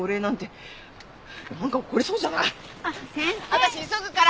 私急ぐから！